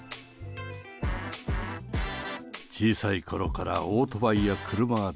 小さいころからオートバイや車が大好き。